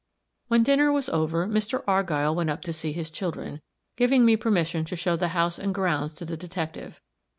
When dinner was over, Mr. Argyll went up to see his children, giving me permission to show the house and grounds to the detective.